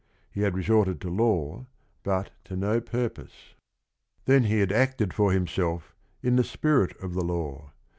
He had resorted to law, but to no purpose. Then he had acted for himself in the spirit of the law.